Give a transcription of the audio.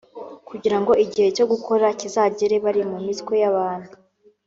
kugira ngo igihe cyo gutora kizagere bari mu mitwe y’abantu